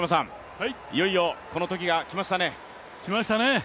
いよいよこの時が来ましたね。